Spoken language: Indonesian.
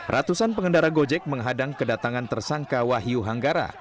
ratusan pengendara gojek menghadang kedatangan tersangka wahyu hanggara